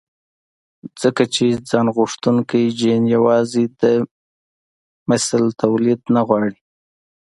ځکه چې ځانغوښتونکی جېن يوازې د مثل توليد نه غواړي.